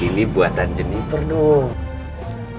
ini buatan jennifer dong